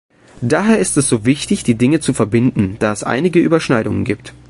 Daher ist es so wichtig, die Dinge zu verbinden, da es einige Überschneidungen gibt.